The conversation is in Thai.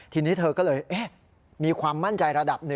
ทีนี้เธอก็เลยมีความมั่นใจระดับหนึ่ง